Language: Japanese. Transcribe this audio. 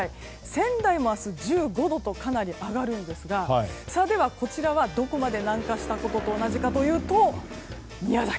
仙台も明日、１５度とかなり上がるんですがどこまで南下したことと同じかというと宮崎。